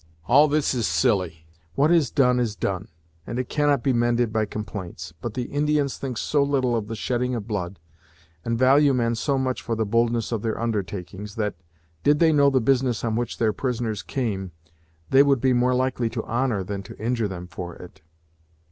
"All this is silly. What is done is done, and it cannot be mended by complaints. But the Indians think so little of the shedding of blood, and value men so much for the boldness of their undertakings, that, did they know the business on which their prisoners came, they would be more likely to honor than to injure them for it."